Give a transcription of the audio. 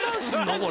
これ。